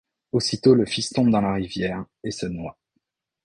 Aussitôt le fils tombe dans la rivière et se noie.